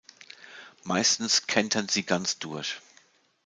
Meistens kentern sie ganz durch.